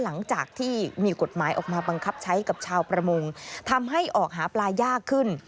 หลังจากที่มีกฎหมายออกมาบังคับใช้กับชาวประมงทำให้ออกหาปลายากขึ้น